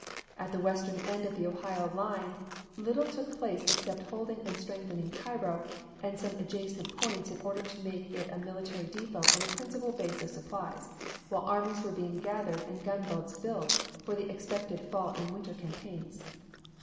At the western end of the Ohio line little took place except holding and strengthening Cairo and some adjacent points in order to make it a military depot and a principal base of supplies, while armies were being gathered and gun boats built for the expected fall and winter campaigns.